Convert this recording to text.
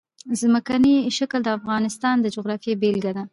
ځمکنی شکل د افغانستان د جغرافیې بېلګه ده.